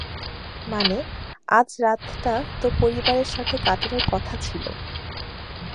মানে, আজ রাতটা তো পারিবারের সাথে কাটানোর কথা ছিল।